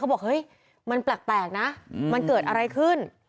เขาบอกมันแปลกนะมันเกิดอะไรขึ้น